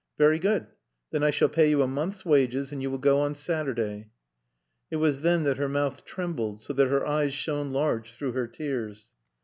"Very good. Then I shall pay you a month's wages and you will go on Saturday." It was then that her mouth trembled so that her eyes shone large through her tears.